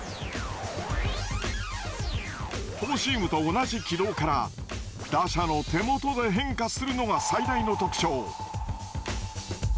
フォーシームと同じ軌道から打者の手元で変化するのが最大の特徴。